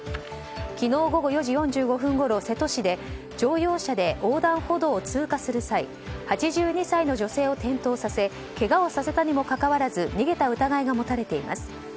昨日午後４時４５分ごろ瀬戸市で乗用車で横断歩道を通過する際８２歳の女性を転倒させけがをさせたにもかかわらず逃げた疑いが持たれています。